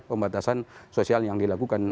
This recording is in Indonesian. pembatasan sosial yang dilakukan